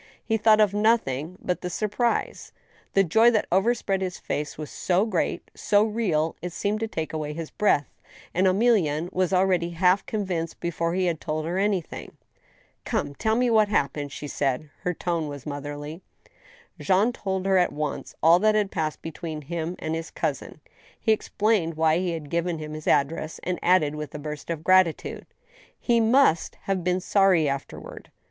He thought of nothing but the sur The joy that overspread his face was so great, so real, it seemed to take away his breath, and Emilienne was already half convinced before he had told her anything. " Come, tell me then, what happened ?" she asked. Her tone was motherly. Jean told her at once all that had passed between himself and , his cousin. He explained why he had given him his address, and added, with a burst of gratitude : "He must have been sorry afterward